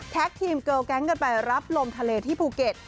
ทีมเกิลแก๊งกันไปรับลมทะเลที่ภูเก็ต